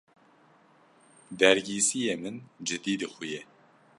Dergîsiyê min cidî dixuye.